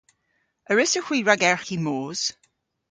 A wrussowgh hwi ragerghi moos?